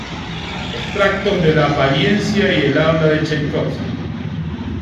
Extractos de la apariencia y el habla de Tchaikovsky.